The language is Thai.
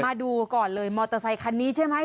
มาดูก่อนเลยมอเตอร์ไซคันนี้ใช่ไหม